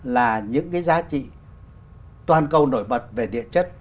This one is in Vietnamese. là những cái giá trị toàn cầu nổi bật về địa chất